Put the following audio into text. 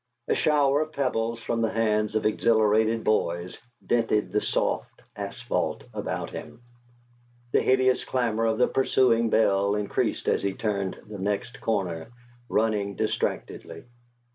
A shower of pebbles from the hands of exhilarated boys dented the soft asphalt about him; the hideous clamor of the pursuing bell increased as he turned the next corner, running distractedly.